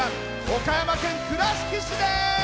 岡山県倉敷市です。